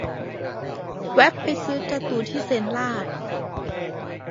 แว่บไปซื้อการ์ตูนที่เซ็นลาด